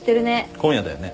今夜だよね。